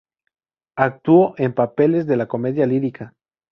Actuó en papeles de la comedia lírica.